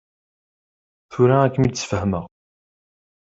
Tura ad kem-id-sfehmeɣ.